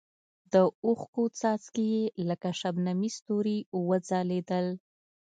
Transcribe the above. د اوښکو څاڅکي یې لکه شبنمي ستوري وځلېدل.